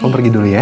kamu pergi dulu ya